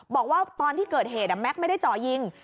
บอกว่าตอนที่เกิดเหตุแม็กซ์ไม่ได้จ่อยิง